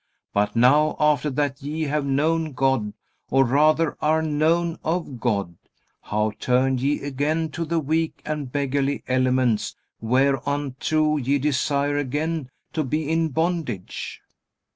But now, after that ye have known God, or rather are known of God, how turn ye again to the weak and beggarly elements, whereunto ye desire again to be in bondage?